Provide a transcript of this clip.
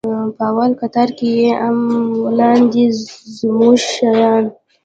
په اول کتار کښې يې ام و لاندې زموږ شيان.